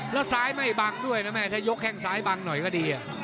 แล้วซ้ายไม่บังด้วยนะแม่ถ้ายกแข้งซ้ายบังหน่อยก็ดี